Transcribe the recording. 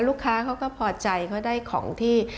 ลูกค้าเขาก็พอใจเขาได้ของที่